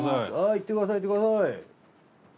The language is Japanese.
いってくださいいってください。